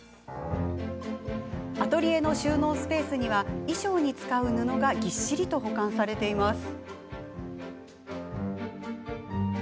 アトリエの収納スペースには衣装に使う布がぎっしりと保管されています。